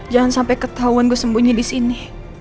jangan sampe ketahuan gue sembunyi disini